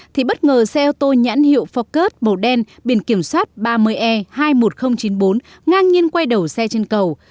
thì bất ngờ xe ô tô nhãn hiệu focus màu đen biển kiểm soát ba mươi e hai mươi một nghìn chín mươi bốn ngang nhiên quay đầu xe trên cầu